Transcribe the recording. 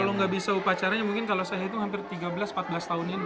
kalau nggak bisa upacaranya mungkin kalau saya hitung hampir tiga belas empat belas tahun ini